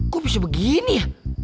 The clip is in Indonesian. kok bisa begini ya